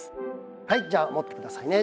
はいじゃあ持ってくださいね。